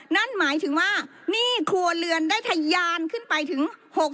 นั่นหมายถึงว่าหนี้ครัวเรือนได้ทะยานขึ้นไปถึง๖๐